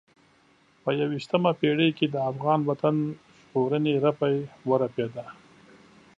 په یوه یشتمه پېړۍ کې د افغان وطن ژغورنې رپی ورپېده.